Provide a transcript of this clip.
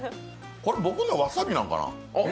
これ僕のわさびなんかな？